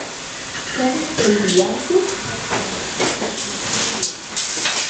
Félix de Iriarte va ser un militar nascut a Girona.